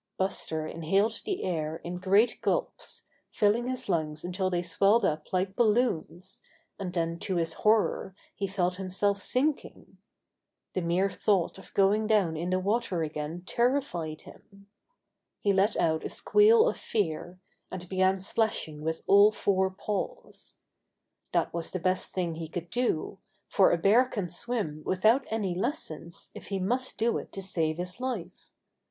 Buster inhaled the air in great gulps, filling his lungs until they swelled up like balloons, and then to his horror he felt himself sinking. The mere thought of going down in the water 23 24 Buster the Bear again terrified him. He let out a squeal of fear, and began splashing with all four paws. That was the best thing he could do, for a bear can swim without any lessons if he must do it to save his life.